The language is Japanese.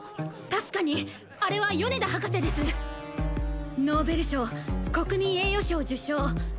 確かにあれは米田博士ですノーベル賞国民栄誉賞受賞